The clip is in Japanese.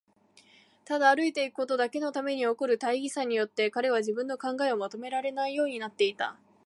ただ歩いていくことだけのために起こる大儀さによって、彼は自分の考えをまとめられないようになっていた。